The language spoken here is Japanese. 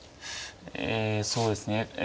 えそうですね。